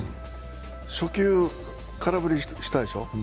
初球、空振りしたでしょ。